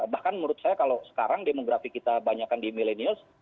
bahkan menurut saya kalau sekarang demografi kita banyakan di millennials